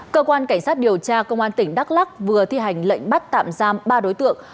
cơ quan cảnh sát điều tra công an tỉnh đắk lắc vừa thi hành lệnh bắt tạm giam ba đối tượng